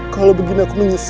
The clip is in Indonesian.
kalau begini aku menyesal